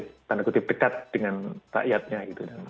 tanda kutip dekat dengan rakyatnya gitu